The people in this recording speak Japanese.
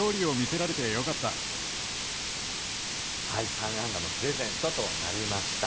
３安打のプレゼントとなりました。